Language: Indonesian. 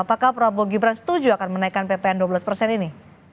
apakah prabowo gibran setuju akan menaikkan ppn dua belas persen ini